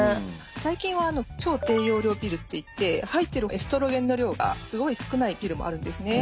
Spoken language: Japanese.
最近は超低用量ピルっていって入ってるエストロゲンの量がすごい少ないピルもあるんですね。